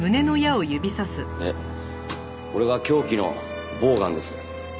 でこれが凶器のボウガンです。